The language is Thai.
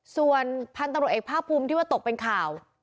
ส่วนพันธุ์ตำรวจเอกภาคภูมิที่ว่าตกเป็นข่าว